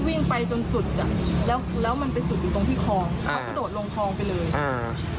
วิ่งไปจนสุดอ่ะแล้วแล้วมันไปสุดอยู่ตรงที่คลองอ่าเขากระโดดลงคลองไปเลยอ่า